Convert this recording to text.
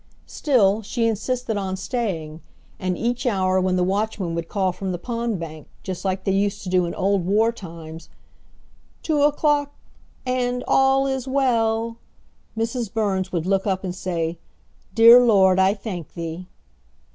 Still she insisted on staying, and each hour when the watchman would call from the pond bank, just like they used to do in old war times: "Two o'clock and all is well!" Mrs. Burns would look up and say, "Dear Lord, I thank Thee!"